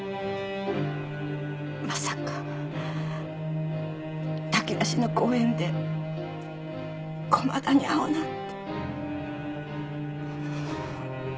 まさか炊き出しの公園で駒田に会うなんて。